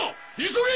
急げ！